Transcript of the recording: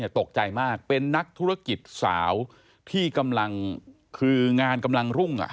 ตกใจมากเป็นนักธุรกิจสาวที่กำลังคืองานกำลังรุ่ง